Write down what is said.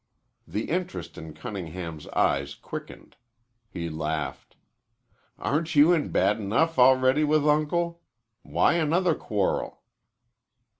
The interest in Cunningham's eyes quickened. He laughed. "Aren't you in bad enough already with Uncle? Why another quarrel?"